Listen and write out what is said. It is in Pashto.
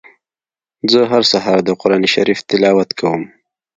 زه هر سهار د قرآن شريف تلاوت کوم.